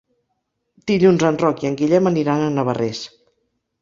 Dilluns en Roc i en Guillem aniran a Navarrés.